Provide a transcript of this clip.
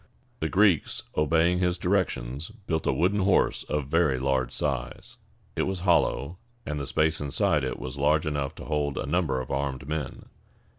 The Greeks, obeying his directions, built a wooden horse of very large size. It was hollow, and the space inside it was large enough to hold a number of armed men.